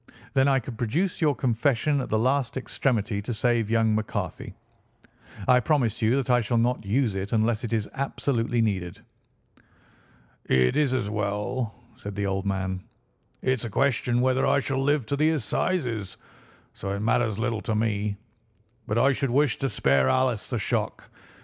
Then I could produce your confession at the last extremity to save young McCarthy. I promise you that I shall not use it unless it is absolutely needed." "It's as well," said the old man; "it's a question whether I shall live to the Assizes, so it matters little to me, but I should wish to spare Alice the shock.